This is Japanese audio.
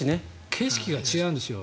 景色が違うんですよ。